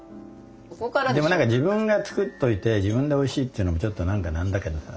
でも何か自分が作っといて自分でおいしいって言うのもちょっと何かなんだけどさ。